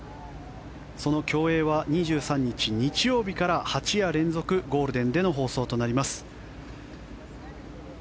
その競泳は２３日、日曜日から８夜連続ゴールデンでの放送となります。